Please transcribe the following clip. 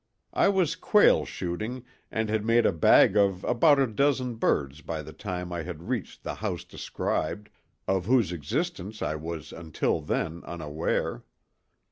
I was quail shooting and had made a bag of about a dozen birds by the time I had reached the house described, of whose existence I was until then unaware.